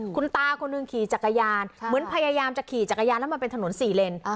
คุณตาคนหนึ่งขี่จักรยานเหมือนพยายามจะขี่จักรยานแล้วมันเป็นถนน๔เลน